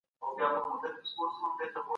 ولي کابل کي د صنعت لپاره همکاري ضروري ده؟